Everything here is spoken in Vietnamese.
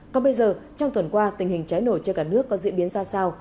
còn bây giờ trong tuần qua tình hình cháy nổ trên cả nước có diễn biến ra sao